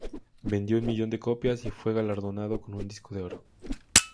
Vendió un millón de copias y fue galardonada con un disco de oro.